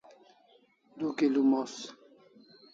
Du kilo mos